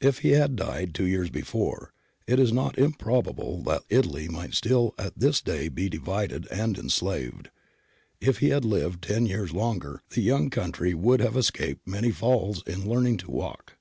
If he had died two years l)efore, it is not im probable that Italy might still at this day be divided and enslaved ; if he had lived ten years longer the young country would have escaped many falls in learning to walk.'